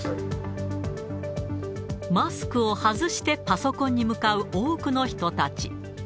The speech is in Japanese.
マスクを外してパソコンに向かう多くの人たち。